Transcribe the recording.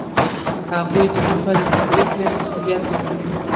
هغوی د خپلې پرېکړې مسوولیت نه منلو.